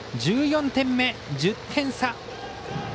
１４点目、１０点差。